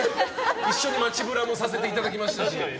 一緒に街ブラもさせていただきましたし。